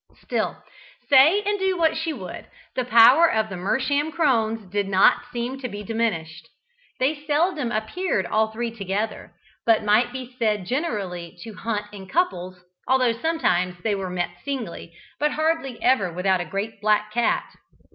Still, say and do what she would, the power of the Mersham crones did not seem to be diminished. They seldom appeared all three together, but might be said, generally, to "hunt in couples," although sometimes they were met singly, but hardly ever without a great black cat.